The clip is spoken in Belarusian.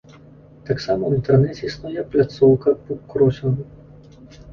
Таксама ў інтэрнэце існуе пляцоўка буккросінгу.